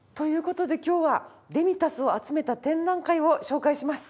事で今日はデミタスを集めた展覧会を紹介します。